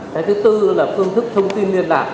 cái thứ tư là phương thức thông tin liên lạc